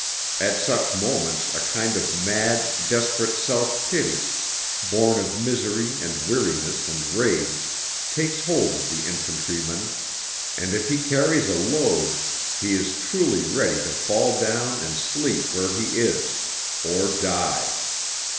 At such moments a kind of mad, desperate self pity, born of misery and weariness and rage, takes hold of the infantryman, and if he carries a load, he is truly ready to fall down and sleep where he is or die.